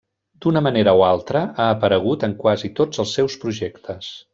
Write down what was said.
D'una manera o altra ha aparegut en quasi tots els seus projectes.